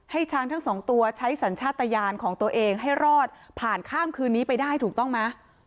ช้างทั้งสองตัวใช้สัญชาติยานของตัวเองให้รอดผ่านข้ามคืนนี้ไปได้ถูกต้องไหม